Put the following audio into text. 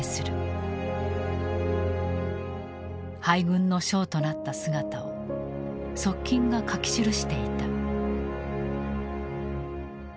敗軍の将となった姿を側近が書き記していた。